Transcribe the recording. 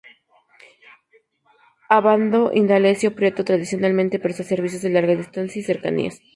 Abando Indalecio Prieto tradicionalmente presta servicios de Larga Distancia y de Cercanías.